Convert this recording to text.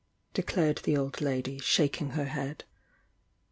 declared the old lady, shaking her head.